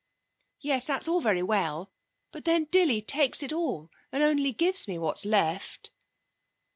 'Yes, that's all very well. But then Dilly takes it all, and only gives me what's left.'